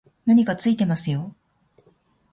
何かついてますよ